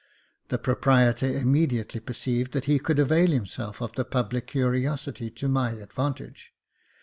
The proprietor immediately perceived that he could avail him self of the public curiosity to my advantage.